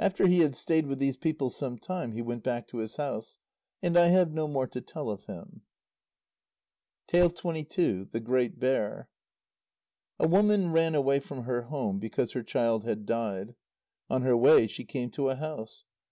After he had stayed with these people some time he went back to his house. And I have no more to tell of him. THE GREAT BEAR A woman ran away from her home because her child had died. On her way she came to a house.